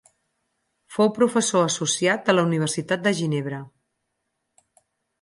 Fou professor associat de la Universitat de Ginebra.